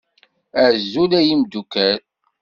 Azul ay imeddukkal